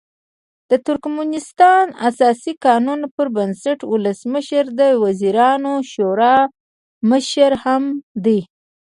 د ترکمنستان اساسي قانون پر بنسټ ولسمشر د وزیرانو شورا مشر هم دی.